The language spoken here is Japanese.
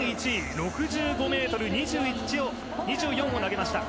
６５ｍ２４を投げました。